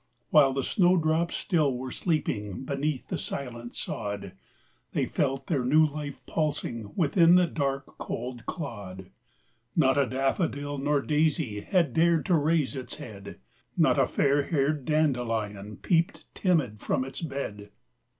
While the snow drops still were sleeping Beneath the silent sod; They felt their new life pulsing Within the dark, cold clod. Not a daffodil nor daisy Had dared to raise its head; Not a fairhaired dandelion Peeped timid from its bed; THE CROCUSES.